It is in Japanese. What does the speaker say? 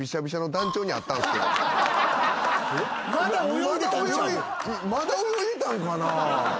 まだ泳いでたんかな？